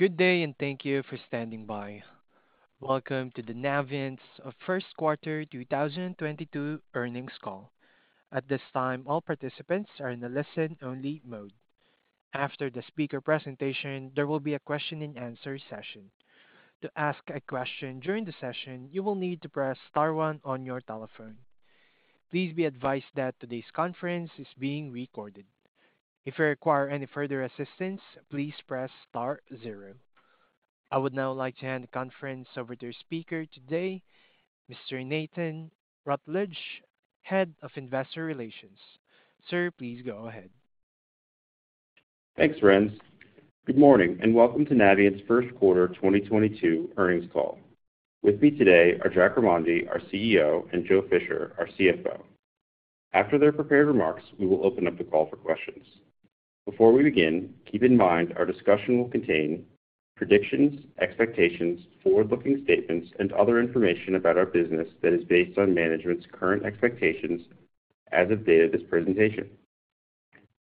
Good day, and thank you for standing by. Welcome to the Navient's first quarter 2022 earnings call. At this time, all participants are in a listen-only mode. After the speaker presentation, there will be a question and answer session. To ask a question during the session, you will need to press star one on your telephone. Please be advised that today's conference is being recorded. If you require any further assistance, please press star zero. I would now like to hand the conference over to your speaker today, Mr. Nathan Rutledge, Head of Investor Relations. Sir, please go ahead. Thanks, Renz. Good morning, and welcome to Navient's first quarter 2022 earnings call. With me today are Jack Remondi, our CEO, and Joe Fisher, our CFO. After their prepared remarks, we will open up the call for questions. Before we begin, keep in mind our discussion will contain predictions, expectations, forward-looking statements and other information about our business that is based on management's current expectations as of date of this presentation.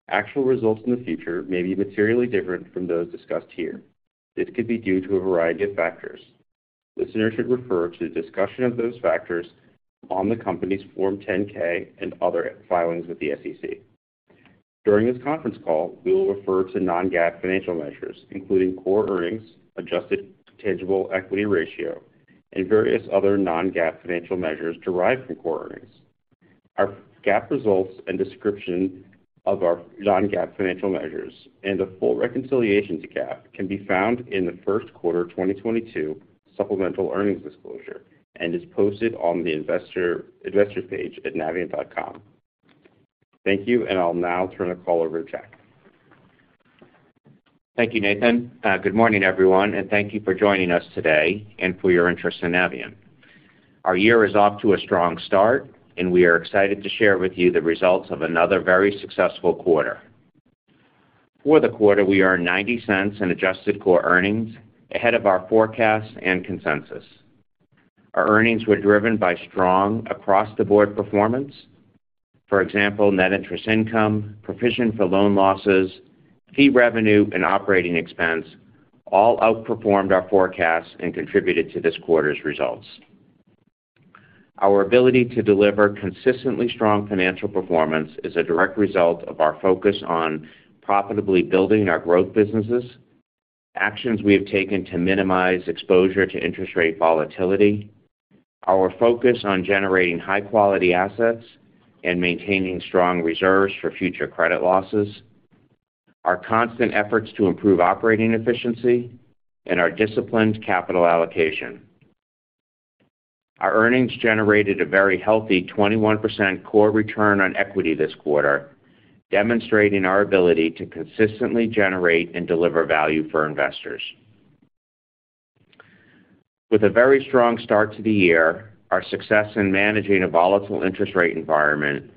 Actual results in the future may be materially different from those discussed here. This could be due to a variety of factors. Listeners should refer to the discussion of those factors on the company's Form 10-K and other filings with the SEC. During this conference call, we will refer to non-GAAP financial measures, including core earnings, adjusted tangible equity ratio, and various other non-GAAP financial measures derived from core earnings. Our GAAP results and description of our non-GAAP financial measures and a full reconciliation to GAAP can be found in the first quarter 2022 supplemental earnings disclosure and is posted on the Investor Relations page at navient.com. Thank you, and I'll now turn the call over to Jack. Thank you, Nathan. Good morning, everyone, and thank you for joining us today and for your interest in Navient. Our year is off to a strong start, and we are excited to share with you the results of another very successful quarter. For the quarter, we earned $0.90 in adjusted core earnings ahead of our forecast and consensus. Our earnings were driven by strong across-the-board performance. For example, net interest income, provision for loan losses, fee revenue and operating expense all outperformed our forecasts and contributed to this quarter's results. Our ability to deliver consistently strong financial performance is a direct result of our focus on profitably building our growth businesses, actions we have taken to minimize exposure to interest rate volatility, our focus on generating high-quality assets and maintaining strong reserves for future credit losses, our constant efforts to improve operating efficiency, and our disciplined capital allocation. Our earnings generated a very healthy 21% core return on equity this quarter, demonstrating our ability to consistently generate and deliver value for investors. With a very strong start to the year, our success in managing a volatile interest rate environment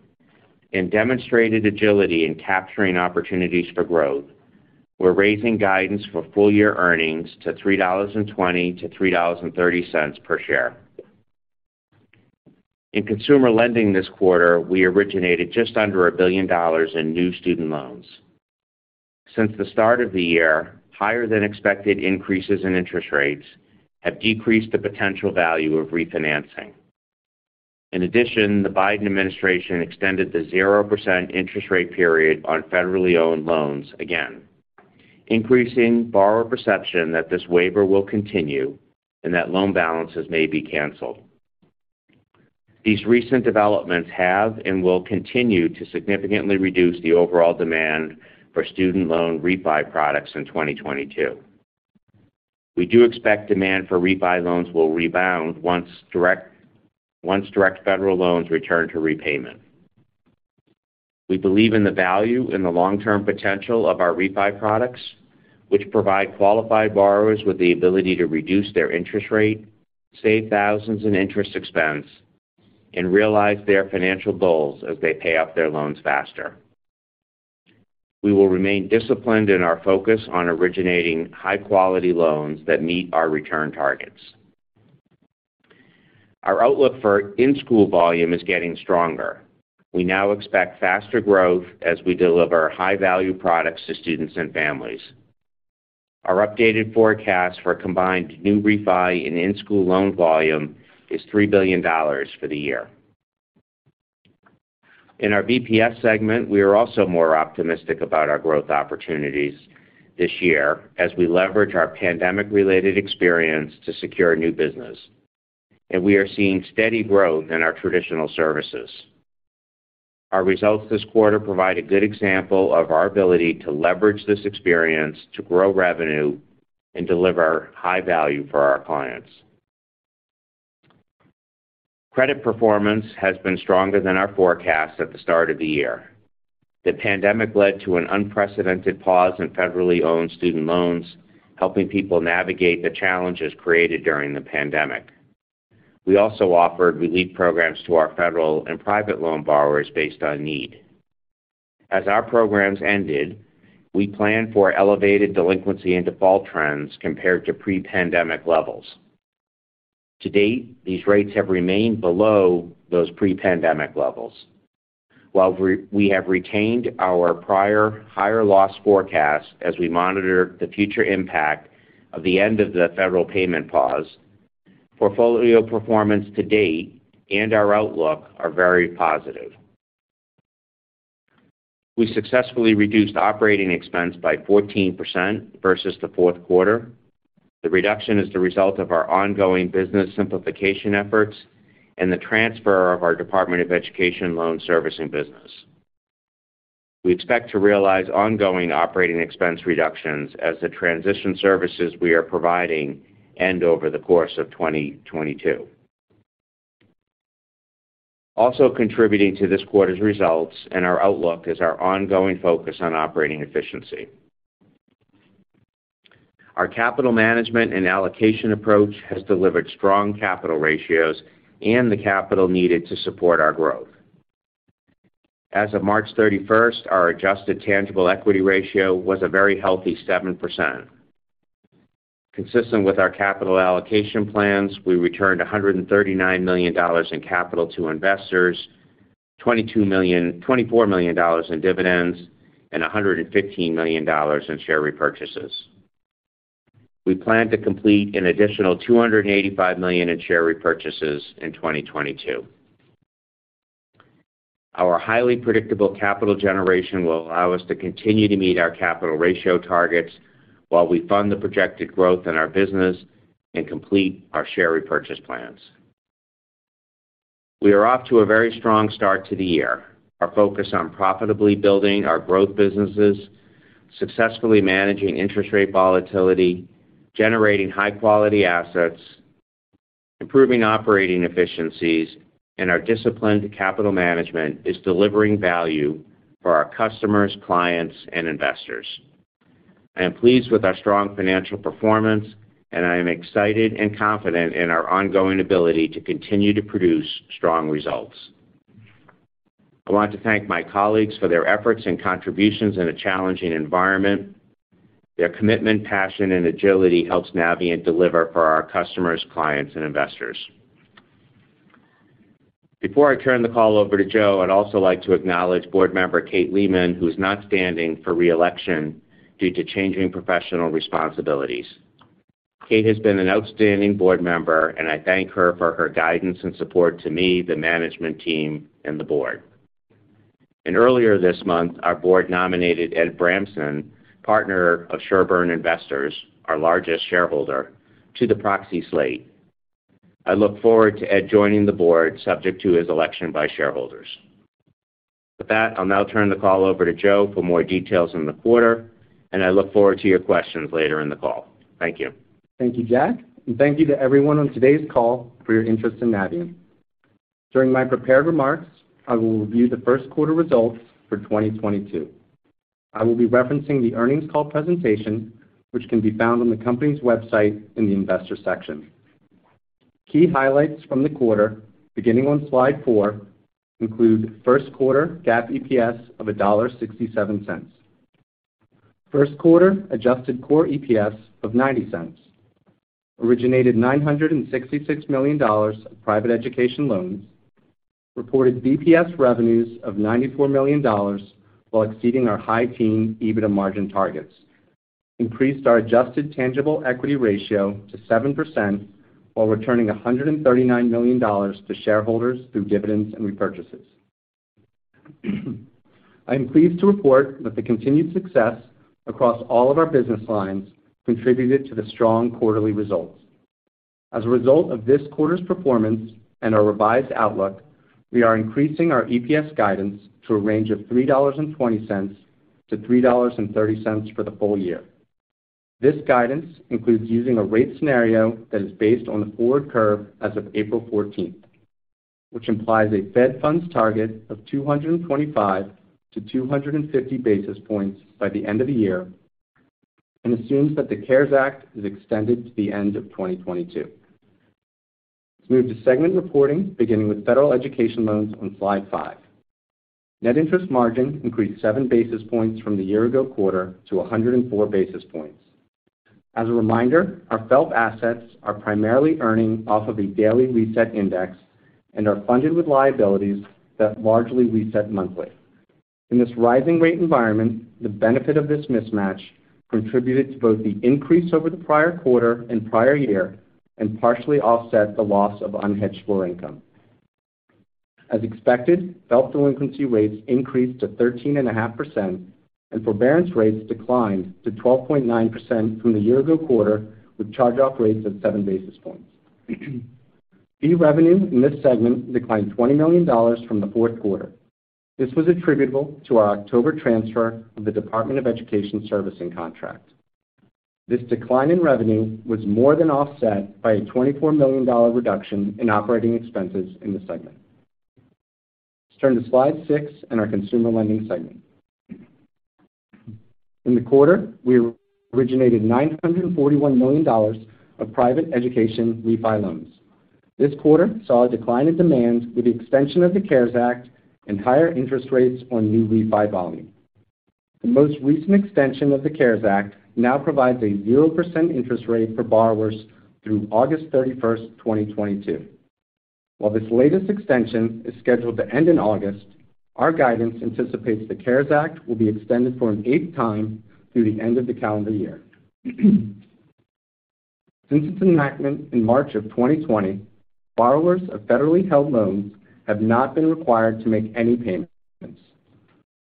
and demonstrated agility in capturing opportunities for growth, we're raising guidance for full-year earnings to $3.20-$3.30 per share. In consumer lending this quarter, we originated just under $1 billion in new student loans. Since the start of the year, higher-than-expected increases in interest rates have decreased the potential value of refinancing. In addition, the Biden administration extended the 0% interest rate period on federally owned loans again, increasing borrower perception that this waiver will continue and that loan balances may be canceled. These recent developments have and will continue to significantly reduce the overall demand for student loan refi products in 2022. We do expect demand for refi loans will rebound once direct federal loans return to repayment. We believe in the value and the long-term potential of our refi products, which provide qualified borrowers with the ability to reduce their interest rate, save thousands in interest expense, and realize their financial goals as they pay off their loans faster. We will remain disciplined in our focus on originating high-quality loans that meet our return targets. Our outlook for in-school volume is getting stronger. We now expect faster growth as we deliver high-value products to students and families. Our updated forecast for combined new refi and in-school loan volume is $3 billion for the year. In our BPS segment, we are also more optimistic about our growth opportunities this year as we leverage our pandemic-related experience to secure new business, and we are seeing steady growth in our traditional services. Our results this quarter provide a good example of our ability to leverage this experience to grow revenue and deliver high value for our clients. Credit performance has been stronger than our forecast at the start of the year. The pandemic led to an unprecedented pause in federally owned student loans, helping people navigate the challenges created during the pandemic. We also offered relief programs to our federal and private loan borrowers based on need. As our programs ended, we plan for elevated delinquency and default trends compared to pre-pandemic levels. To date, these rates have remained below those pre-pandemic levels. While we have retained our prior higher loss forecast as we monitor the future impact of the end of the federal payment pause, portfolio performance to date and our outlook are very positive. We successfully reduced operating expense by 14% versus the fourth quarter. The reduction is the result of our ongoing business simplification efforts and the transfer of our Department of Education loan servicing business. We expect to realize ongoing operating expense reductions as the transition services we are providing end over the course of 2022. Also contributing to this quarter's results and our outlook is our ongoing focus on operating efficiency. Our capital management and allocation approach has delivered strong capital ratios and the capital needed to support our growth. As of March 31st, our adjusted tangible equity ratio was a very healthy 7%. Consistent with our capital allocation plans, we returned $139 million in capital to investors, $24 million in dividends, and $115 million in share repurchases. We plan to complete an additional $285 million in share repurchases in 2022. Our highly predictable capital generation will allow us to continue to meet our capital ratio targets while we fund the projected growth in our business and complete our share repurchase plans. We are off to a very strong start to the year. Our focus on profitably building our growth businesses, successfully managing interest rate volatility, generating high-quality assets, improving operating efficiencies, and our disciplined capital management is delivering value for our customers, clients, and investors. I am pleased with our strong financial performance, and I am excited and confident in our ongoing ability to continue to produce strong results. I want to thank my colleagues for their efforts and contributions in a challenging environment. Their commitment, passion, and agility helps Navient deliver for our customers, clients, and investors. Before I turn the call over to Joe, I'd also like to acknowledge Board Member Kate Lehman, who's not standing for re-election due to changing professional responsibilities. Kate has been an outstanding board member, and I thank her for her guidance and support to me, the management team, and the board. Earlier this month, our board nominated Ed Bramson, Partner of Sherborne Investors, our largest shareholder, to the proxy slate. I look forward to Ed joining the board subject to his election by shareholders. With that, I'll now turn the call over to Joe for more details on the quarter, and I look forward to your questions later in the call. Thank you. Thank you, Jack, and thank you to everyone on today's call for your interest in Navient. During my prepared remarks, I will review the first quarter results for 2022. I will be referencing the earnings call presentation, which can be found on the company's website in the investor section. Key highlights from the quarter, beginning on slide 4, include first quarter GAAP EPS of $1.67. First quarter adjusted core EPS of $0.90. Originated $966 million of Private Education Loans. Reported BPS revenues of $94 million while exceeding our high-teen EBITDA margin targets. Increased our adjusted tangible equity ratio to 7% while returning $139 million to shareholders through dividends and repurchases. I am pleased to report that the continued success across all of our business lines contributed to the strong quarterly results. As a result of this quarter's performance and our revised outlook, we are increasing our EPS guidance to a range of $3.20-$3.30 for the full year. This guidance includes using a rate scenario that is based on the forward curve as of April 14th, which implies a Fed funds target of 225-250 basis points by the end of the year and assumes that the CARES Act is extended to the end of 2022. Let's move to segment reporting, beginning with Federal Education Loans on slide 5. Net interest margin increased 7 basis points from the year-ago quarter to 104 basis points. As a reminder, our FFELP assets are primarily earning off of a daily reset index and are funded with liabilities that largely reset monthly. In this rising rate environment, the benefit of this mismatch contributed to both the increase over the prior quarter and prior year and partially offset the loss of unhedged floor income. As expected, FFELP delinquency rates increased to 13.5%, and forbearance rates declined to 12.9% from the year ago quarter, with charge-off rates at 7 basis points. Fee revenue in this segment declined $20 million from the fourth quarter. This was attributable to our October transfer of the Department of Education servicing contract. This decline in revenue was more than offset by a $24 million reduction in operating expenses in the segment. Let's turn to slide 6 and our consumer lending segment. In the quarter, we originated $941 million of private education refi loans. This quarter saw a decline in demand with the extension of the CARES Act and higher interest rates on new refi volume. The most recent extension of the CARES Act now provides a 0% interest rate for borrowers through August 31, 2022. While this latest extension is scheduled to end in August, our guidance anticipates the CARES Act will be extended for an eighth time through the end of the calendar year. Since its enactment in March 2020, borrowers of federally held loans have not been required to make any payments.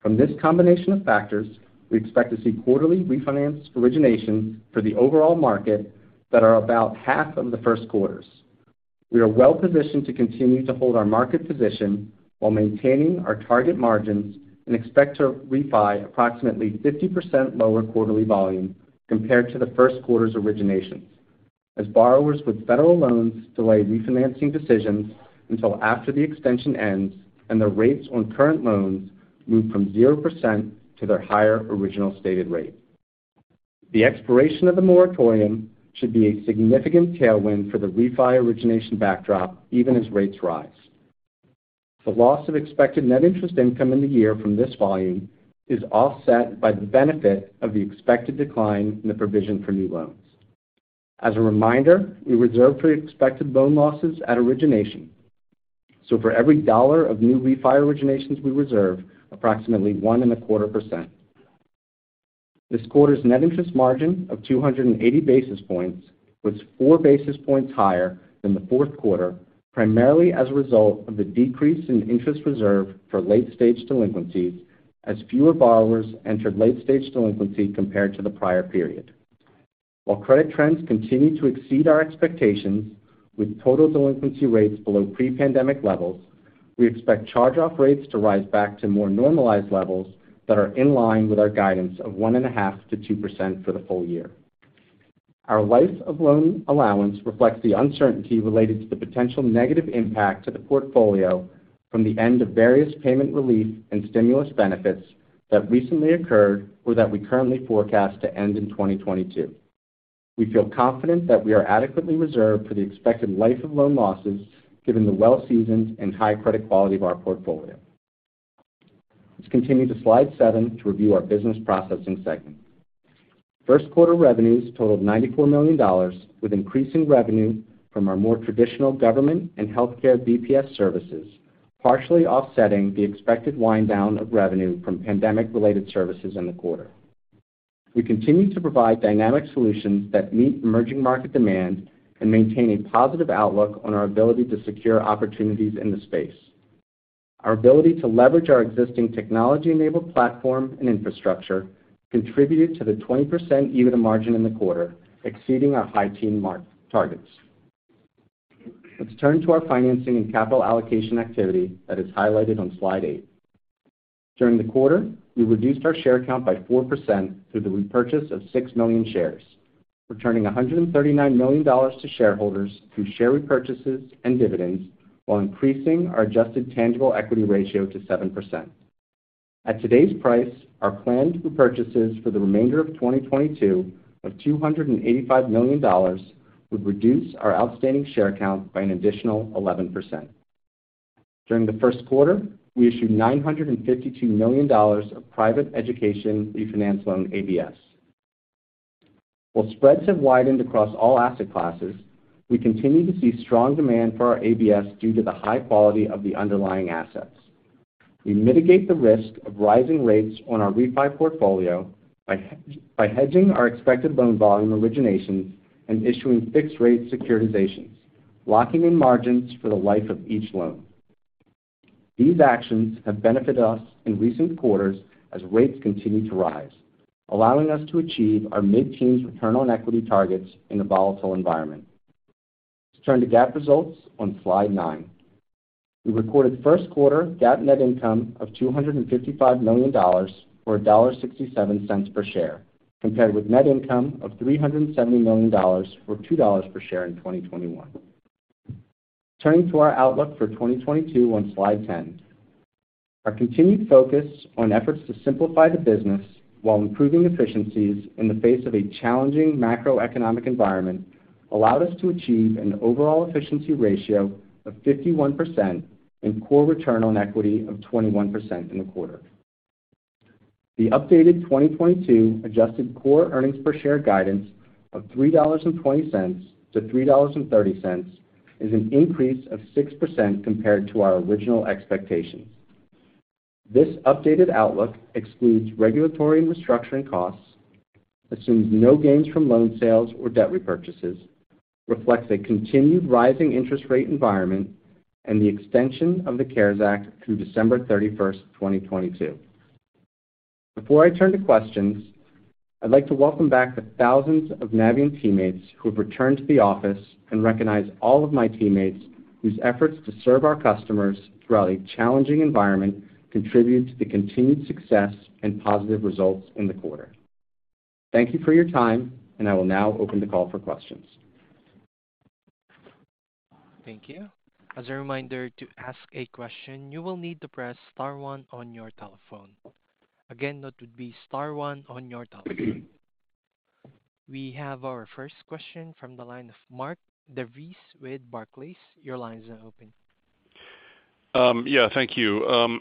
From this combination of factors, we expect to see quarterly refinance originations for the overall market that are about half of the first quarters. We are well-positioned to continue to hold our market position while maintaining our target margins and expect to refi approximately 50% lower quarterly volume compared to the first quarter's originations, as borrowers with federal loans delay refinancing decisions until after the extension ends and the rates on current loans move from 0% to their higher original stated rate. The expiration of the moratorium should be a significant tailwind for the refi origination backdrop, even as rates rise. The loss of expected net interest income in the year from this volume is offset by the benefit of the expected decline in the provision for new loans. As a reminder, we reserve for expected loan losses at origination. For every $1 of new refi originations we reserve, approximately 1.25%. This quarter's net interest margin of 280 basis points was 4 basis points higher than the fourth quarter, primarily as a result of the decrease in interest reserve for late-stage delinquencies as fewer borrowers entered late-stage delinquency compared to the prior period. While credit trends continue to exceed our expectations with total delinquency rates below pre-pandemic levels, we expect charge-off rates to rise back to more normalized levels that are in line with our guidance of 1.5%-2% for the full year. Our life-of-loan allowance reflects the uncertainty related to the potential negative impact to the portfolio from the end of various payment relief and stimulus benefits that recently occurred or that we currently forecast to end in 2022. We feel confident that we are adequately reserved for the expected life of loan losses given the well-seasoned and high credit quality of our portfolio. Let's continue to slide 7 to review our Business Processing Segment. First quarter revenues totaled $94 million, with increasing revenue from our more traditional government and healthcare BPS services, partially offsetting the expected wind down of revenue from pandemic-related services in the quarter. We continue to provide dynamic solutions that meet emerging market demand and maintain a positive outlook on our ability to secure opportunities in the space. Our ability to leverage our existing technology-enabled platform and infrastructure contributed to the 20% EBITDA margin in the quarter, exceeding our high-teen mark targets. Let's turn to our financing and capital allocation activity that is highlighted on slide 8. During the quarter, we reduced our share count by 4% through the repurchase of 6 million shares, returning $139 million to shareholders through share repurchases and dividends, while increasing our adjusted tangible equity ratio to 7%. At today's price, our planned repurchases for the remainder of 2022 of $285 million would reduce our outstanding share count by an additional 11%. During the first quarter, we issued $952 million of private education refinance loan ABS. While spreads have widened across all asset classes, we continue to see strong demand for our ABS due to the high quality of the underlying assets. We mitigate the risk of rising rates on our refi portfolio by hedging our expected loan volume originations and issuing fixed rate securitizations, locking in margins for the life of each loan. These actions have benefited us in recent quarters as rates continue to rise, allowing us to achieve our mid-teens return on equity targets in a volatile environment. Let's turn to GAAP results on slide 9. We recorded first quarter GAAP net income of $255 million, or $1.67 per share, compared with net income of $370 million, or $2 per share in 2021. Turning to our outlook for 2022 on slide 10. Our continued focus on efforts to simplify the business while improving efficiencies in the face of a challenging macroeconomic environment allowed us to achieve an overall efficiency ratio of 51% and core return on equity of 21% in the quarter. The updated 2022 adjusted core earnings per share guidance of $3.20-$3.30 is an increase of 6% compared to our original expectations. This updated outlook excludes regulatory and restructuring costs, assumes no gains from loan sales or debt repurchases, reflects a continued rising interest rate environment, and the extension of the CARES Act through December 31st, 2022. Before I turn to questions, I'd like to welcome back the thousands of Navient teammates who have returned to the office and recognize all of my teammates whose efforts to serve our customers throughout a challenging environment contribute to the continued success and positive results in the quarter. Thank you for your time, and I will now open the call for questions. Thank you. As a reminder, to ask a question, you will need to press star one on your telephone. Again, that would be star one on your telephone. We have our first question from the line of Mark DeVries with Barclays. Your line is now open. Yeah, thank you.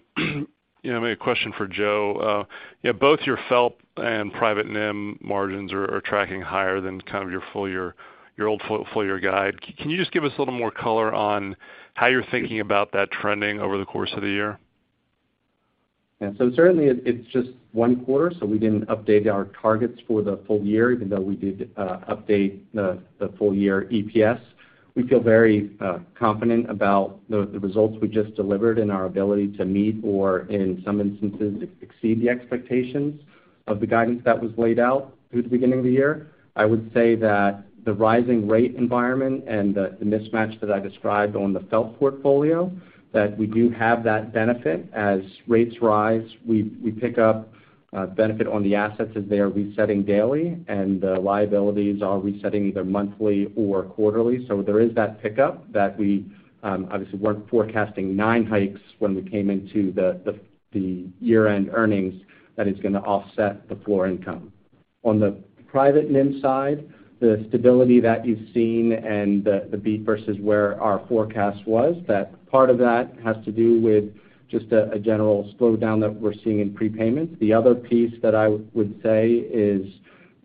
You know, maybe a question for Joe. Yeah, both your FFELP and private NIM margins are tracking higher than kind of your old full-year guide. Can you just give us a little more color on how you're thinking about that trending over the course of the year? Certainly it's just one quarter, so we didn't update our targets for the full year even though we did update the full year EPS. We feel very confident about the results we just delivered and our ability to meet or, in some instances, exceed the expectations of the guidance that was laid out through the beginning of the year. I would say that the rising rate environment and the mismatch that I described on the FFELP portfolio, that we do have that benefit. As rates rise, we pick up benefit on the assets as they are resetting daily, and the liabilities are resetting either monthly or quarterly. There is that pickup that we obviously weren't forecasting nine hikes when we came into the year-end earnings that is gonna offset the floor income. On the private NIM side, the stability that you've seen and the beat versus where our forecast was, that part of that has to do with just a general slowdown that we're seeing in prepayments. The other piece that I would say is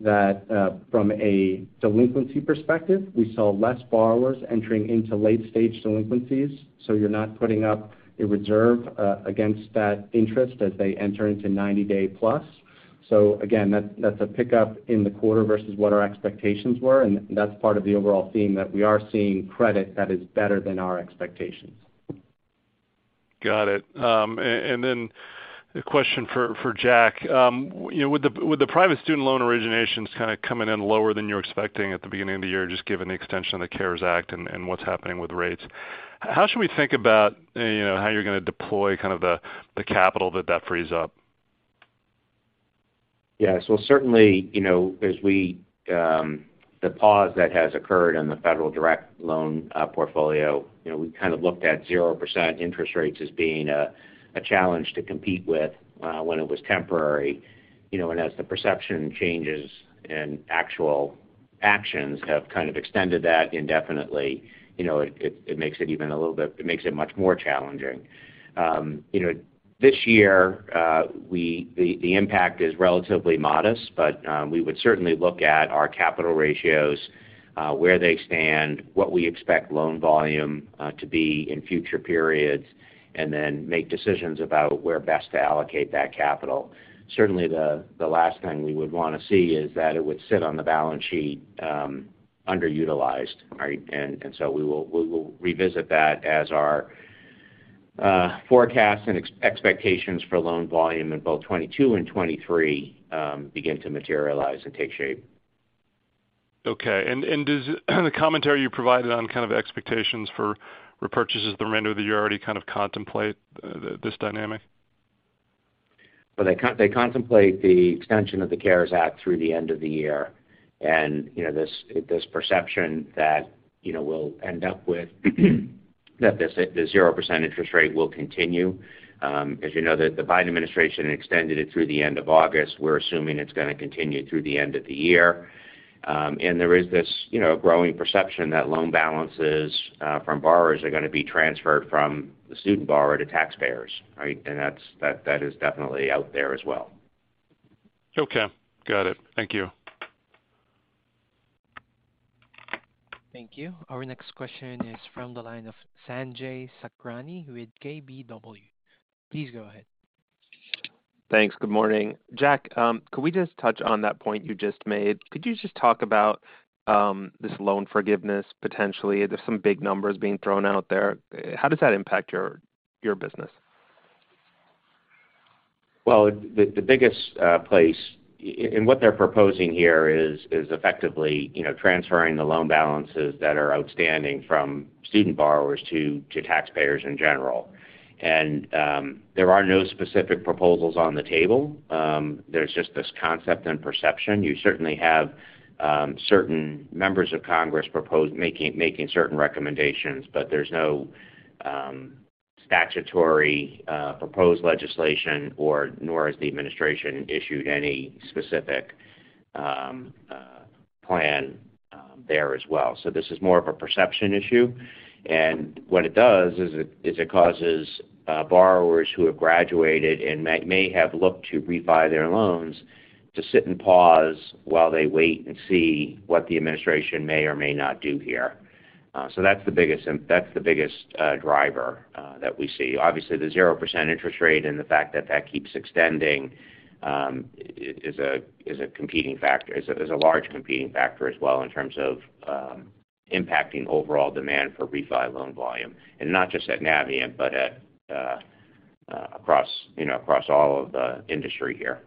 that, from a delinquency perspective, we saw less borrowers entering into late-stage delinquencies, so you're not putting up a reserve against that interest as they enter into 90-day plus. Again, that's a pickup in the quarter versus what our expectations were, and that's part of the overall theme that we are seeing credit that is better than our expectations. Got it. A question for Jack. You know, with the private student loan originations kind of coming in lower than you were expecting at the beginning of the year, just given the extension of the CARES Act and what's happening with rates, how should we think about, you know, how you're gonna deploy kind of the capital that frees up? Yeah. Certainly, you know, the pause that has occurred in the Federal Direct Loan portfolio, you know, we kind of looked at 0% interest rates as being a challenge to compete with, when it was temporary. You know, as the perception changes and actual actions have kind of extended that indefinitely, you know, it makes it much more challenging. You know, this year, the impact is relatively modest, but we would certainly look at our capital ratios, where they stand, what we expect loan volume to be in future periods, and then make decisions about where best to allocate that capital. Certainly the last thing we would wanna see is that it would sit on the balance sheet, underutilized, right? We will revisit that as our forecast and expectations for loan volume in both 2022 and 2023 begin to materialize and take shape. Okay. Does the commentary you provided on kind of expectations for repurchases the remainder of the year already kind of contemplate this dynamic? Well, they contemplate the extension of the CARES Act through the end of the year and, you know, this perception that, you know, we'll end up with that this, the 0% interest rate will continue. As you know, the Biden administration extended it through the end of August. We're assuming it's gonna continue through the end of the year. There is this, you know, growing perception that loan balances from borrowers are gonna be transferred from the student borrower to taxpayers, right? That is definitely out there as well. Okay. Got it. Thank you. Thank you. Our next question is from the line of Sanjay Sakhrani with KBW. Please go ahead. Thanks. Good morning. Jack, could we just touch on that point you just made? Could you just talk about, this loan forgiveness potentially? There's some big numbers being thrown out there. How does that impact your business? Well, what they're proposing here is effectively, you know, transferring the loan balances that are outstanding from student borrowers to taxpayers in general. There are no specific proposals on the table. There's just this concept and perception. You certainly have certain members of Congress propose making certain recommendations, but there's no statutory proposed legislation or nor has the administration issued any specific plan there as well. This is more of a perception issue. What it does is it causes borrowers who have graduated and may have looked to refi their loans to sit and pause while they wait and see what the administration may or may not do here. That's the biggest driver that we see. Obviously, the 0% interest rate and the fact that that keeps extending is a large competing factor as well in terms of impacting overall demand for refi loan volume, and not just at Navient but across, you know, across all of the industry here.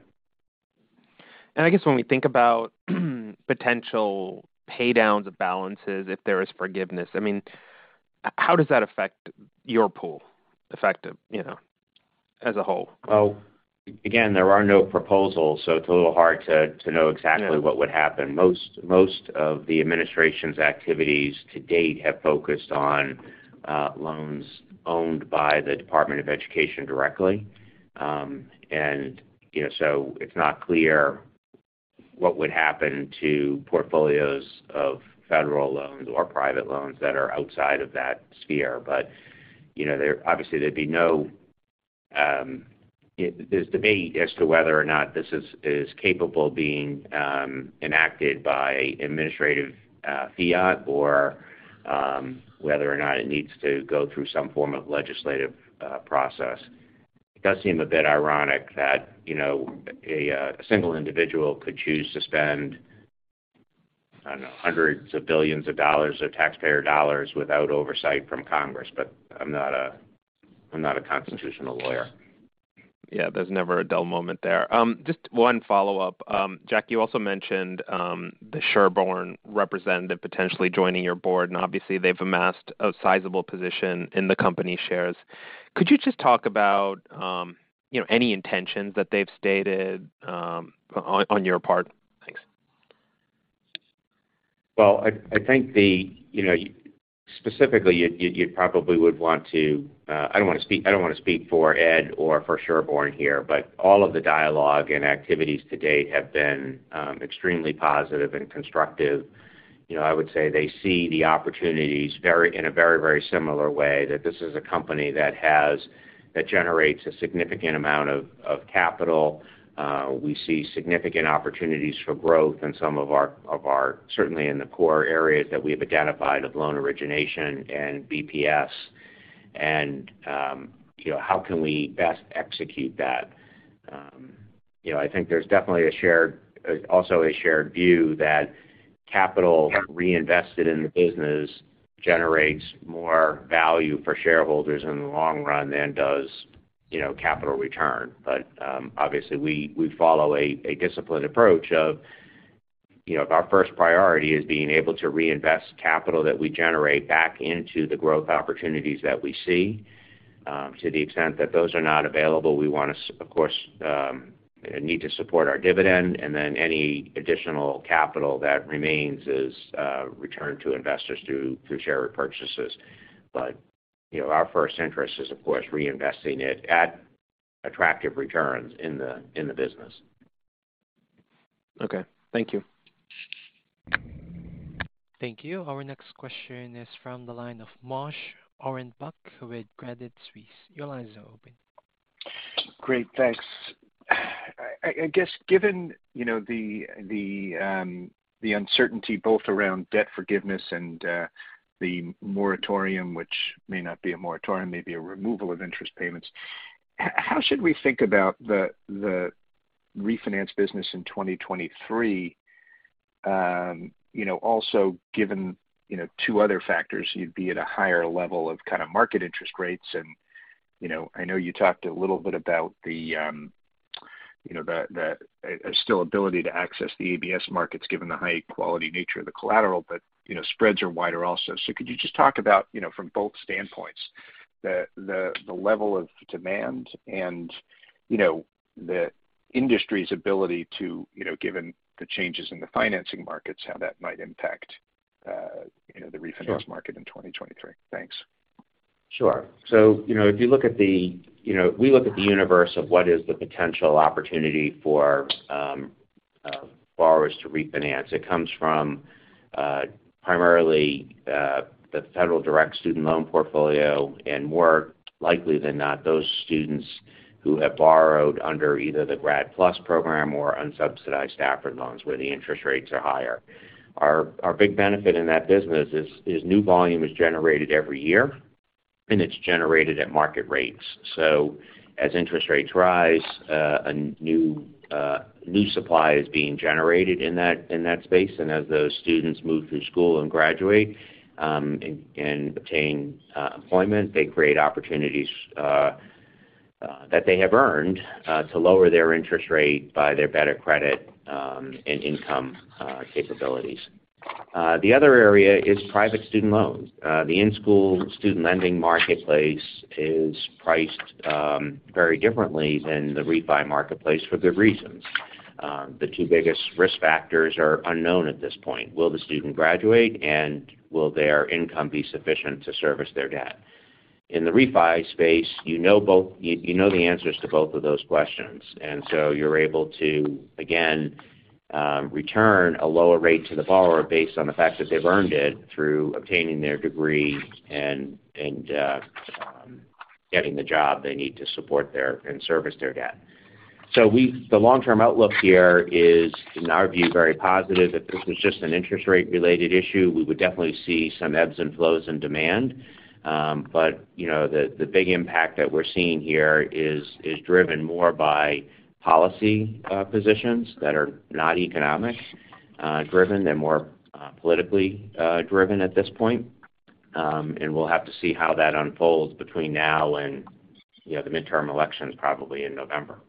I guess when we think about potential paydowns of balances if there is forgiveness, I mean, how does that affect your pool effectively, you know, as a whole? Well, again, there are no proposals, so it's a little hard to know exactly- Yeah. -what would happen. Most of the administration's activities to date have focused on loans owned by the Department of Education directly. It's not clear what would happen to portfolios of federal loans or private loans that are outside of that sphere. Obviously, there's debate as to whether or not this is capable of being enacted by administrative fiat or whether or not it needs to go through some form of legislative process. It does seem a bit ironic that a single individual could choose to spend hundreds of billions of dollars of taxpayer dollars without oversight from Congress. I'm not a constitutional lawyer. Yeah, there's never a dull moment there. Just one follow-up. Jack, you also mentioned the Sherborne representative potentially joining your board, and obviously they've amassed a sizable position in the company shares. Could you just talk about, you know, any intentions that they've stated on your part? Thanks. Well, I think... You know, specifically, you'd probably want to... I don't wanna speak for Ed or for Sherborne here, but all of the dialogue and activities to date have been extremely positive and constructive. You know, I would say they see the opportunities in a very, very similar way, that this is a company that generates a significant amount of capital. We see significant opportunities for growth in some of our certainly in the core areas that we have identified of loan origination and BPS, and, you know, how can we best execute that? You know, I think there's definitely a shared view that capital reinvested in the business generates more value for shareholders in the long run than does capital return. Obviously, we follow a disciplined approach of, you know, if our first priority is being able to reinvest capital that we generate back into the growth opportunities that we see. To the extent that those are not available, we of course need to support our dividend, and then any additional capital that remains is returned to investors through share repurchases. You know, our first interest is, of course, reinvesting it at attractive returns in the business. Okay. Thank you. Thank you. Our next question is from the line of Moshe Orenbuch with Credit Suisse. Your line is now open. Great. Thanks. I guess given, you know, the uncertainty both around debt forgiveness and the moratorium, which may not be a moratorium, may be a removal of interest payments, how should we think about the refinance business in 2023, you know, also given, you know, two other factors, you'd be at a higher level of kind of market interest rates and, you know, I know you talked a little bit about the ability to access the ABS markets given the high quality nature of the collateral, but, you know, spreads are wider also. Could you just talk about, you know, from both standpoints, the level of demand and, you know, the industry's ability to, you know, given the changes in the financing markets, how that might impact, you know, the refinance- Sure. -the market in 2023. Thanks. Sure. You know, if you look at the universe of what is the potential opportunity for borrowers to refinance. It comes from primarily the Federal Direct Student Loan portfolio, and more likely than not, those students who have borrowed under either the Grad PLUS program or unsubsidized Stafford Loans, where the interest rates are higher. Our big benefit in that business is new volume is generated every year, and it's generated at market rates. As interest rates rise, a new supply is being generated in that space. As those students move through school and graduate, and obtain employment, they create opportunities that they have earned to lower their interest rate by their better credit and income capabilities. The other area is private student loans. The in-school student lending marketplace is priced very differently than the refi marketplace for good reasons. The two biggest risk factors are unknown at this point. Will the student graduate, and will their income be sufficient to service their debt? In the refi space, you know the answers to both of those questions, and so you're able to, again, return a lower rate to the borrower based on the fact that they've earned it through obtaining their degree and getting the job they need to support and service their debt. The long-term outlook here is, in our view, very positive. If this was just an interest rate-related issue, we would definitely see some ebbs and flows in demand. You know, the big impact that we're seeing here is driven more by policy positions that are not economically driven. They're more politically driven at this point. We'll have to see how that unfolds between now and, you know, the midterm elections probably in November.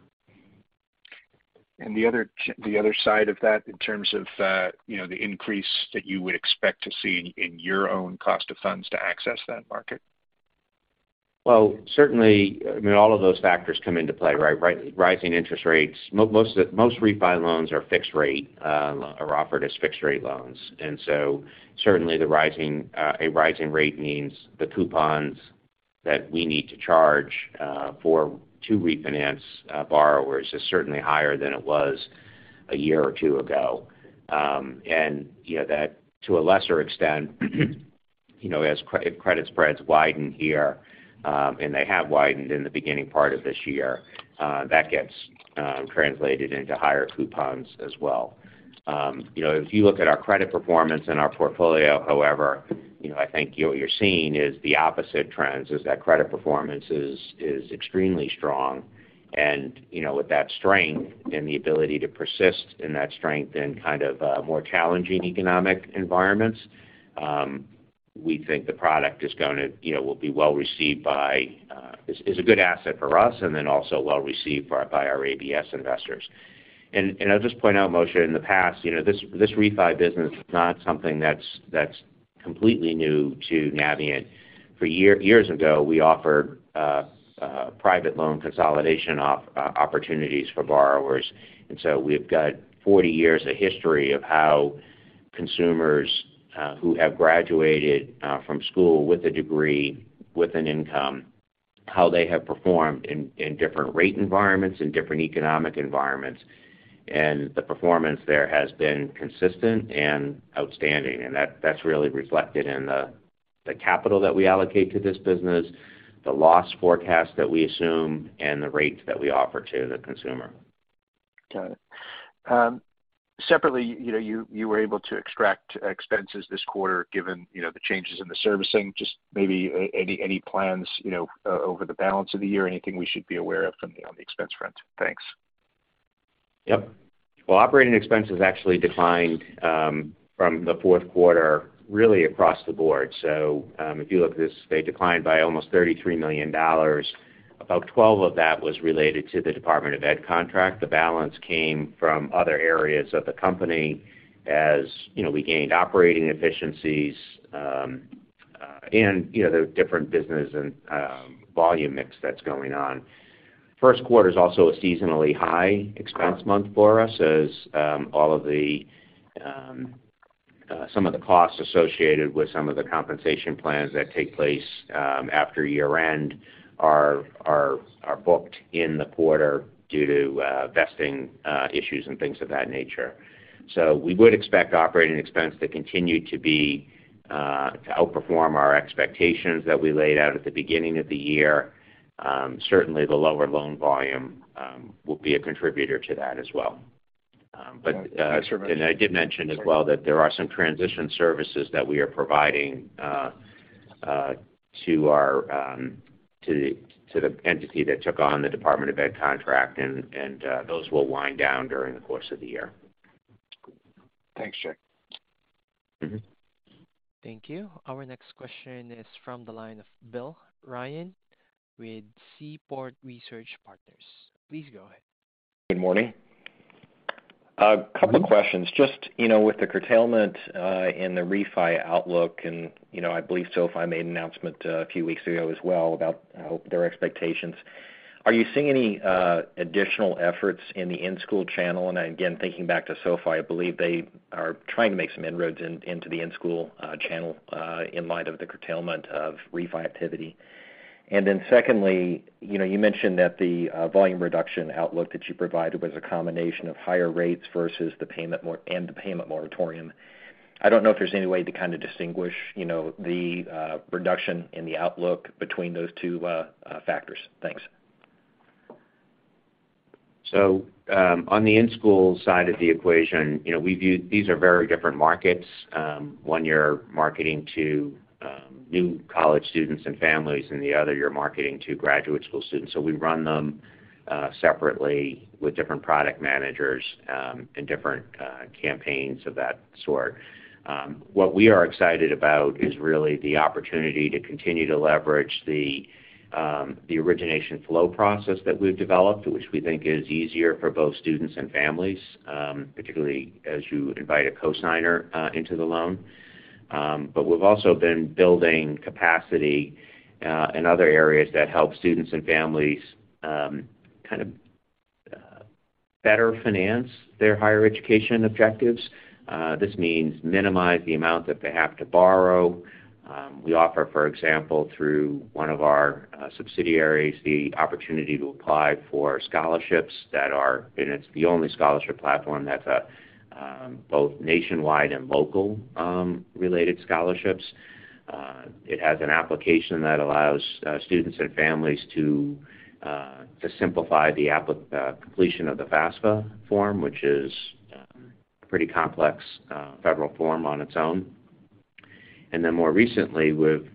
The other side of that in terms of, you know, the increase that you would expect to see in your own cost of funds to access that market. Well, certainly, I mean, all of those factors come into play, right? Rising interest rates. Most refi loans are fixed rate, are offered as fixed rate loans. Certainly the rising rate means the coupons that we need to charge to refinance borrowers is certainly higher than it was a year or two ago. You know, that to a lesser extent, you know, if credit spreads widen here, and they have widened in the beginning part of this year, that gets translated into higher coupons as well. You know, if you look at our credit performance and our portfolio, however, you know, I think you're seeing is the opposite trends is that credit performance is extremely strong. You know, with that strength and the ability to persist in that strength in kind of more challenging economic environments, we think the product is gonna, you know, will be well received by- is a good asset for us, and then also well received by our ABS investors. I'll just point out, Moshe, in the past, you know, this refi business is not something that's completely new to Navient. Years ago, we offered private loan consolidation opportunities for borrowers. We've got 40 years of history of how consumers who have graduated from school with a degree, with an income, how they have performed in different rate environments and different economic environments. The performance there has been consistent and outstanding. That's really reflected in the capital that we allocate to this business, the loss forecast that we assume, and the rates that we offer to the consumer. Got it. Separately, you know, you were able to extract expenses this quarter given, you know, the changes in the servicing. Just maybe any plans, you know, over the balance of the year, anything we should be aware of from the, on the expense front? Thanks. Yep. Well, operating expenses actually declined from the fourth quarter really across the board. If you look at this, they declined by almost $33 million. About $12 of that was related to the Department of Ed contract. The balance came from other areas of the company as, you know, we gained operating efficiencies and, you know, the different business and volume mix that's going on. First quarter is also a seasonally high expense month for us as all of the some of the costs associated with some of the compensation plans that take place after year-end are booked in the quarter due to vesting issues and things of that nature. We would expect operating expense to continue to be to outperform our expectations that we laid out at the beginning of the year. Certainly the lower loan volume will be a contributor to that as well. Got it. Thanks for that. I did mention as well that there are some transition services that we are providing to the entity that took on the Department of Ed contract, and those will wind down during the course of the year. Thanks, Jack. Mm-hmm. Thank you. Our next question is from the line of Bill Ryan with Seaport Research Partners. Please go ahead. Good morning. A couple of questions. Just, you know, with the curtailment in the refi outlook, and, you know, I believe SoFi made an announcement a few weeks ago as well about their expectations. Are you seeing any additional efforts in the in-school channel? Again, thinking back to SoFi, I believe they are trying to make some inroads into the in-school channel in light of the curtailment of refi activity. Secondly, you know, you mentioned that the volume reduction outlook that you provided was a combination of higher rates versus the payment moratorium. I don't know if there's any way to kind of distinguish the reduction in the outlook between those two factors. Thanks. On the in-school side of the equation, you know, we view these are very different markets. One you're marketing to new college students and families, and the other you're marketing to graduate school students. We run them separately with different product managers and different campaigns of that sort. What we are excited about is really the opportunity to continue to leverage the origination flow process that we've developed, which we think is easier for both students and families, particularly as you invite a cosigner into the loan. But we've also been building capacity in other areas that help students and families kind of better finance their higher education objectives. This means minimize the amount that they have to borrow. We offer, for example, through one of our subsidiaries, the opportunity to apply for scholarships and it's the only scholarship platform that's both nationwide and local related scholarships. It has an application that allows students and families to simplify the completion of the FAFSA form, which is a pretty complex federal form on its own. More recently, we've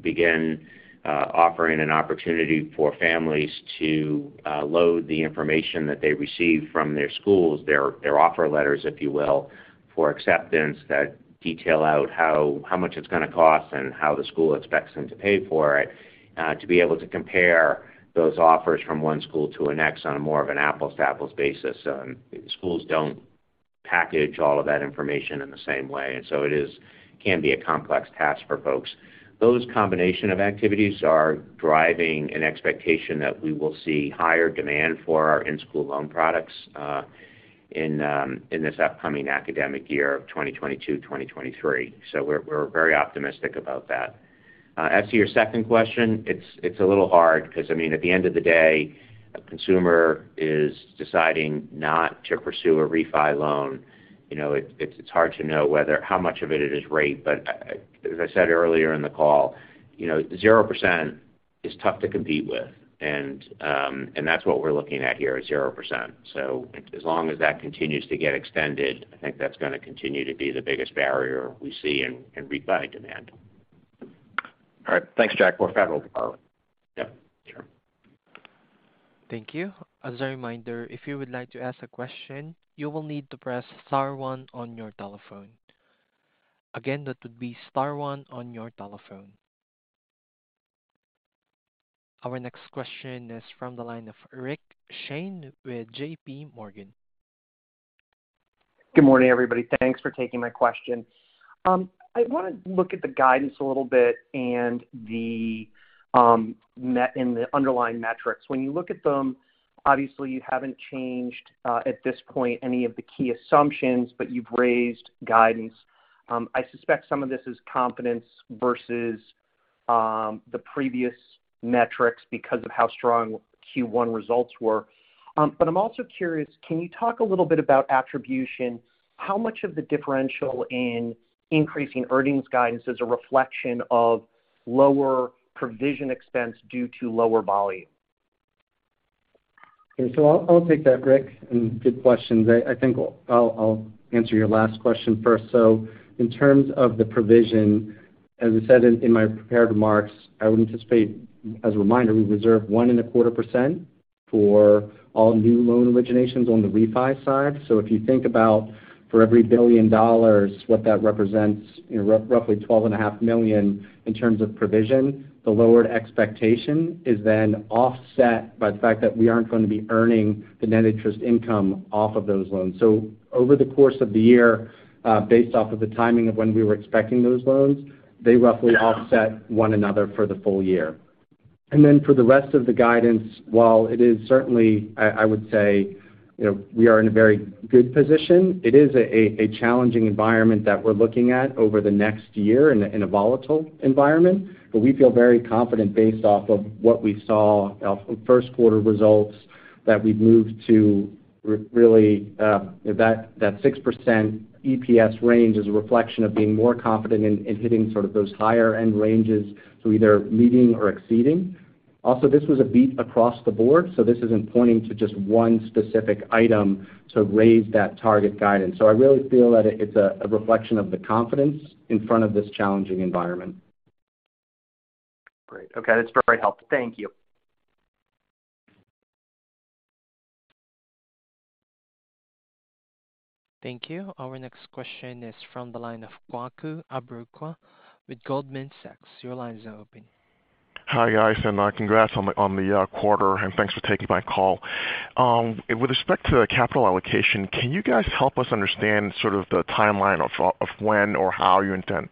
began offering an opportunity for families to load the information that they receive from their schools, their offer letters, if you will, for acceptance that detail out how much it's gonna cost and how the school expects them to pay for it to be able to compare those offers from one school to a next on a more of an apples-to-apples basis. Schools don't package all of that information in the same way. It can be a complex task for folks. That combination of activities is driving an expectation that we will see higher demand for our in-school loan products in this upcoming academic year of 2022-2023. We're very optimistic about that. As to your second question, it's a little hard 'cause I mean, at the end of the day, a consumer is deciding not to pursue a refi loan. You know, it's hard to know whether how much of it is rate. I, as I said earlier in the call, you know, 0% is tough to compete with. That's what we're looking at here, at 0%. So as long as that continues to get extended, I think that's gonna continue to be the biggest barrier we see in refi demand. All right. Thanks, Jack. More Federal Department. Yep. Sure. Thank you. As a reminder, if you would like to ask a question, you will need to press star one on your telephone. Again, that would be star one on your telephone. Our next question is from the line of Rick Shane with JPMorgan. Good morning, everybody. Thanks for taking my question. I want to look at the guidance a little bit and the metrics in the underlying metrics. When you look at them, obviously you haven't changed at this point any of the key assumptions, but you've raised guidance. I suspect some of this is confidence versus the previous metrics because of how strong Q1 results were. I'm also curious, can you talk a little bit about attribution? How much of the differential in increasing earnings guidance is a reflection of lower provision expense due to lower volume? Okay. I'll take that, Rick, and good questions. I think I'll answer your last question first. In terms of the provision, as I said in my prepared remarks, I would anticipate. As a reminder, we reserve 1.25% for all new loan originations on the refi side. If you think about for every $1 billion, what that represents, you know, roughly $12.5 million in terms of provision. The lowered expectation is then offset by the fact that we aren't going to be earning the net interest income off of those loans. Over the course of the year, based off of the timing of when we were expecting those loans, they roughly offset one another for the full year. For the rest of the guidance, while it is certainly, I would say, you know, we are in a very good position, it is a challenging environment that we're looking at over the next year in a volatile environment. We feel very confident based off of what we saw off of first quarter results that we've moved to really, that 6% EPS range is a reflection of being more confident in hitting sort of those higher end ranges, so either meeting or exceeding. Also, this was a beat across the board, so this isn't pointing to just one specific item to raise that target guidance. I really feel that it's a reflection of the confidence in front of this challenging environment. Great. Okay, that's very helpful. Thank you. Thank you. Our next question is from the line of Kwaku Abrokwah with Goldman Sachs. Your line is open. Hi, guys, and congrats on the quarter, and thanks for taking my call. With respect to capital allocation, can you guys help us understand sort of the timeline of when or how you intend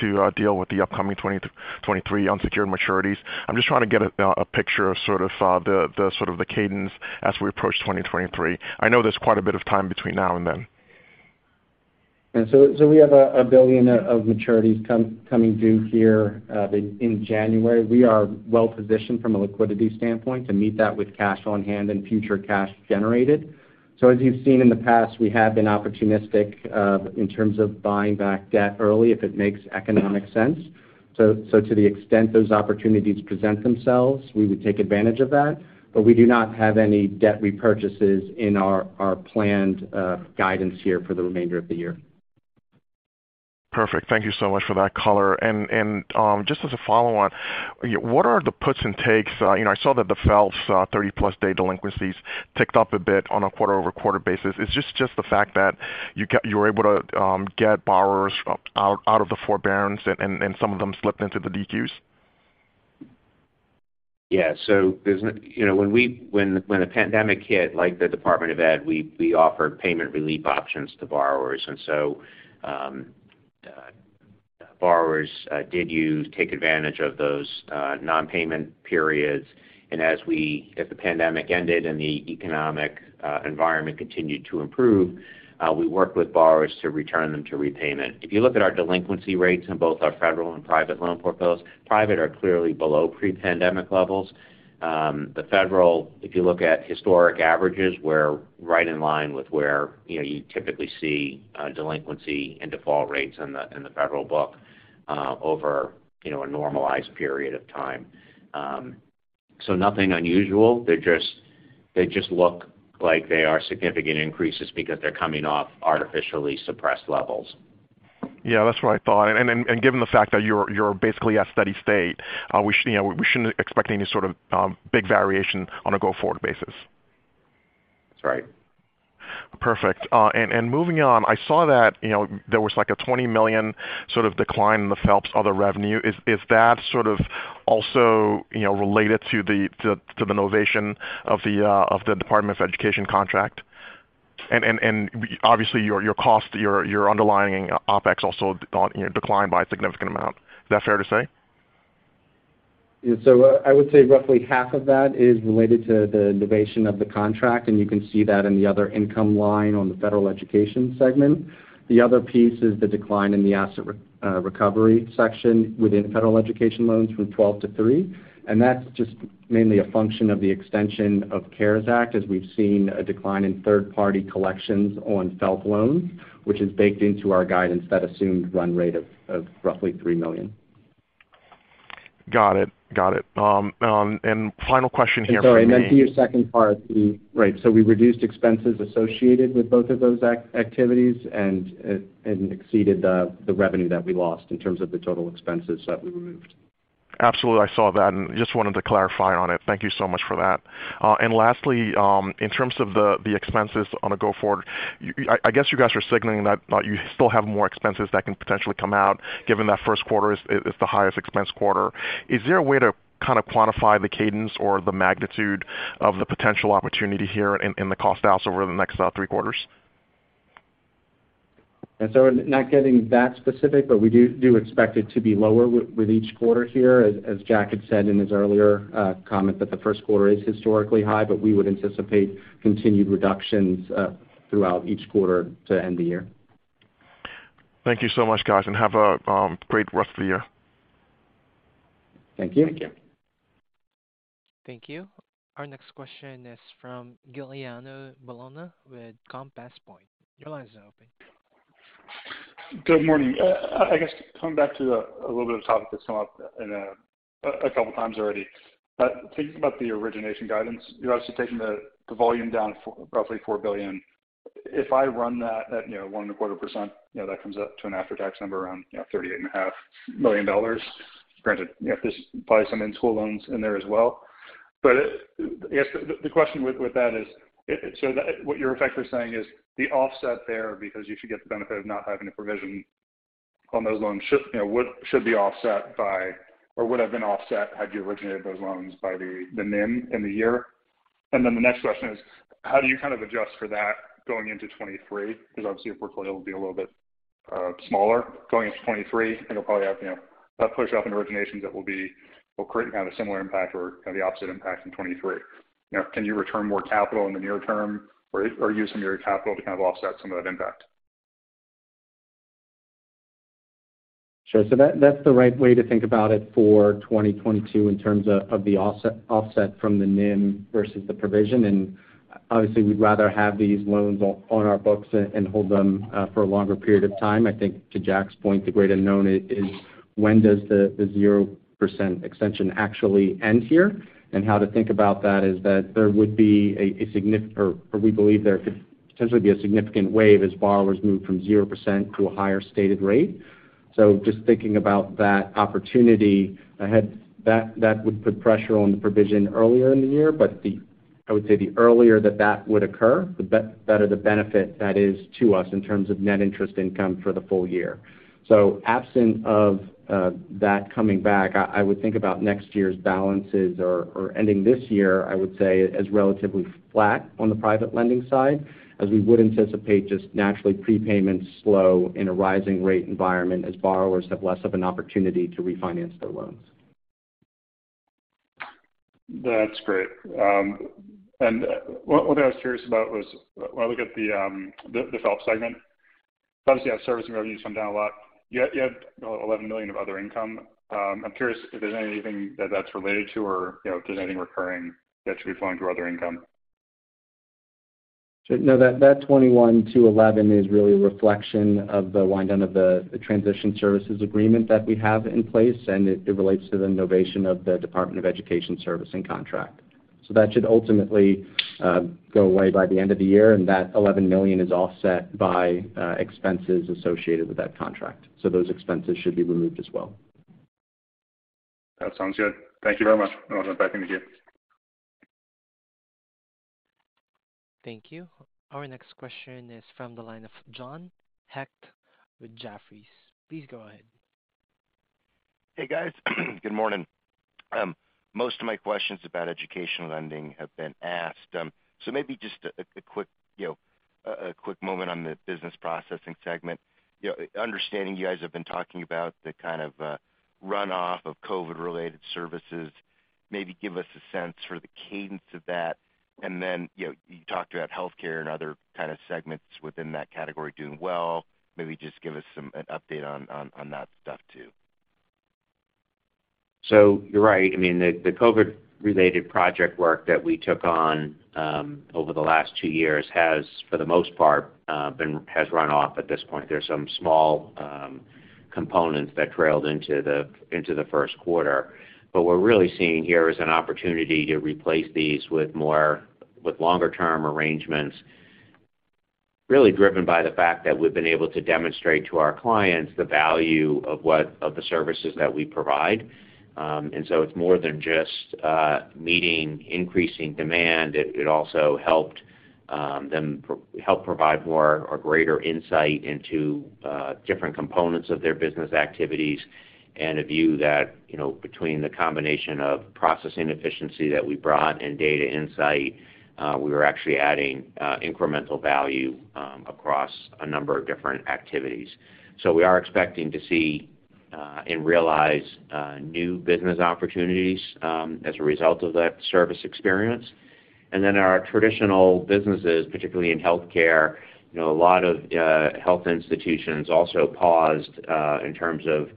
to deal with the upcoming 2023 unsecured maturities? I'm just trying to get a picture of sort of the cadence as we approach 2023. I know there's quite a bit of time between now and then. We have $1 billion of maturities coming due here in January. We are well positioned from a liquidity standpoint to meet that with cash on hand and future cash generated. As you've seen in the past, we have been opportunistic in terms of buying back debt early if it makes economic sense. To the extent those opportunities present themselves, we would take advantage of that. We do not have any debt repurchases in our planned guidance here for the remainder of the year. Perfect. Thank you so much for that color. Just as a follow on, what are the puts and takes? You know, I saw that the FFELP's 30+ day delinquencies ticked up a bit on a quarter-over-quarter basis. It's just the fact that you're able to get borrowers out of the forbearance and some of them slipped into the DQs. Yeah. You know, when we when the pandemic hit, like the Department of Ed, we offered payment relief options to borrowers. Borrowers did take advantage of those non-payment periods. As the pandemic ended and the economic environment continued to improve, we worked with borrowers to return them to repayment. If you look at our delinquency rates in both our Federal and private loan portfolios, private are clearly below pre-pandemic levels. The federal, if you look at historic averages, we're right in line with where you know you typically see delinquency and default rates in the Federal book over you know a normalized period of time. Nothing unusual. They just look like they are significant increases because they're coming off artificially suppressed levels. Yeah, that's what I thought. Given the fact that you're basically at steady state, you know, we shouldn't expect any sort of big variation on a go-forward basis. That's right. Perfect. Moving on, I saw that, you know, there was like a $20 million sort of decline in the FFELP's other revenue. Is that sort of also, you know, related to the novation of the Department of Education contract? Obviously, your underlying OpEx also, you know, declined by a significant amount. Is that fair to say? I would say roughly half of that is related to the novation of the contract, and you can see that in the other income line on the Federal Education Loans segment. The other piece is the decline in the asset recovery section within Federal Education Loans from $12 million to $3 million. That's just mainly a function of the extension of CARES Act, as we've seen a decline in third-party collections on FFELP loans, which is baked into our guidance that assumed run rate of roughly $3 million. Got it. Final question here for me. Sorry, I meant the second part. Right. We reduced expenses associated with both of those activities and exceeded the revenue that we lost in terms of the total expenses that we removed. Absolutely. I saw that and just wanted to clarify on it. Thank you so much for that. Lastly, in terms of the expenses going forward, I guess you guys are signaling that you still have more expenses that can potentially come out given that first quarter is the highest expense quarter. Is there a way to kind of quantify the cadence or the magnitude of the potential opportunity here in the cost outs over the next three quarters? Not getting that specific, but we do expect it to be lower with each quarter here. As Jack had said in his earlier comment that the first quarter is historically high, but we would anticipate continued reductions throughout each quarter to end the year. Thank you so much, guys, and have a great rest of the year. Thank you. Thank you. Thank you. Our next question is from Giuliano Bologna with Compass Point. Your line is open. Good morning. I guess coming back to a little bit of topic that's come up in a couple times already. Thinking about the origination guidance, you're obviously taking the volume down roughly $4 billion. If I run that at, you know, 1.25%, you know, that comes up to an after-tax number around, you know, $38.5 million. Granted, you have to apply some in-school loans in there as well. Yes, the question with that is, so that what you're effectively saying is the offset there, because you should get the benefit of not having a provision on those loans should be offset by or would have been offset had you originated those loans by the NIM in the year. The next question is, how do you kind of adjust for that going into 2023? Because obviously your portfolio will be a little bit smaller going into 2023, and you'll probably have, you know, a push up in originations that will create kind of a similar impact or the opposite impact in 2023. You know, can you return more capital in the near term or use some of your capital to kind of offset some of that impact? Sure. That, that's the right way to think about it for 2022 in terms of the offset from the NIM versus the provision. Obviously we'd rather have these loans on our books and hold them for a longer period of time. I think to Jack's point, the great unknown is when does the 0% extension actually end here. How to think about that is that there would be a or we believe there could potentially be a significant wave as borrowers move from 0% to a higher stated rate. Just thinking about that opportunity ahead, that would put pressure on the provision earlier in the year. I would say the earlier that would occur, the better the benefit that is to us in terms of net interest income for the full year. Absent of that coming back, I would think about next year's balances or ending this year, I would say as relatively flat on the private lending side, as we would anticipate just naturally prepayments slow in a rising rate environment as borrowers have less of an opportunity to refinance their loans. That's great. One thing I was curious about was when I look at the FFELP segment, obviously you have service revenues come down a lot. You had $11 million of other income. I'm curious if there's anything that's related to or, you know, if there's anything recurring that should be flowing through other income. No, that $21 million to $11 million is really a reflection of the wind down of the transition services agreement that we have in place, and it relates to the novation of the Department of Education servicing contract. That should ultimately go away by the end of the year, and that $11 million is offset by expenses associated with that contract. Those expenses should be removed as well. That sounds good. Thank you very much. I'll turn it back over to you. Thank you. Our next question is from the line of John Hecht with Jefferies. Please go ahead. Hey, guys. Good morning. Most of my questions about educational lending have been asked. Maybe just a quick, you know, a quick moment on the business processing segment. You know, understanding you guys have been talking about the kind of runoff of COVID-related services. Maybe give us a sense for the cadence of that. Then, you know, you talked about healthcare and other kind of segments within that category doing well. Maybe just give us an update on that stuff too. You're right. I mean, the COVID-related project work that we took on over the last two years has, for the most part, run off at this point. There's some small components that trailed into the first quarter. What we're really seeing here is an opportunity to replace these with longer term arrangements, really driven by the fact that we've been able to demonstrate to our clients the value of the services that we provide. It's more than just meeting increasing demand. It also helped them provide more or greater insight into different components of their business activities and a view that, you know, between the combination of processing efficiency that we brought and data insight, we were actually adding incremental value across a number of different activities. We are expecting to see and realize new business opportunities as a result of that service experience. Our traditional businesses, particularly in healthcare, you know, a lot of health institutions also paused in terms of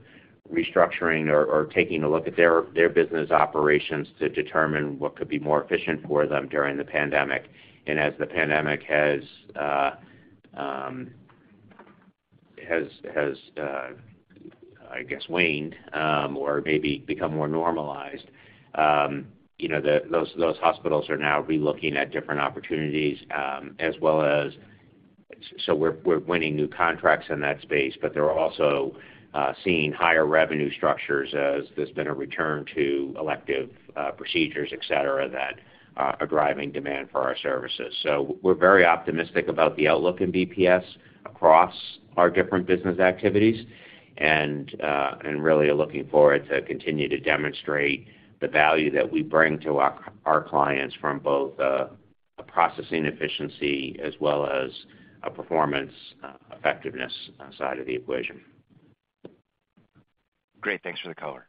restructuring or taking a look at their business operations to determine what could be more efficient for them during the pandemic. As the pandemic has waned or maybe become more normalized, you know, those hospitals are now re-looking at different opportunities as well as. We're winning new contracts in that space. But they're also seeing higher revenue structures as there's been a return to elective procedures, et cetera, that are driving demand for our services. We're very optimistic about the outlook in BPS across our different business activities and really looking forward to continue to demonstrate the value that we bring to our clients from both a processing efficiency as well as a performance effectiveness side of the equation. Great. Thanks for the color.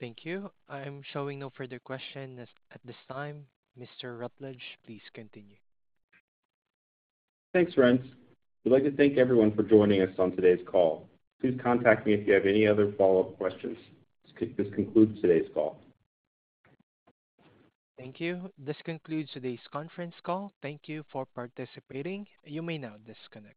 Thank you. I'm showing no further questions at this time. Mr. Rutledge, please continue. Thanks, Renz. We'd like to thank everyone for joining us on today's call. Please contact me if you have any other follow-up questions. This concludes today's call. Thank you. This concludes today's conference call. Thank you for participating. You may now disconnect.